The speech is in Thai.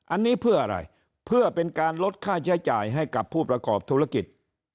อันนี้เพื่ออะไรเพื่อเป็นการลดค่าใช้จ่ายให้กับผู้ประกอบธุรกิจ